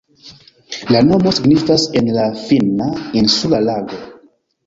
La nomo signifas en la finna "insula lago".